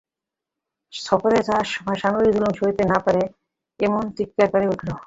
সফরে যাবার সময় স্বামীর যুলম সইতে না পেরে এমন চিৎকার করে ওঠে।